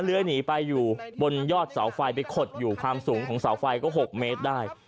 เลื้อยหนีไปอยู่บนยอดเสาไฟไปขดอยู่ความสูงของเสาไฟก็๖เมตรได้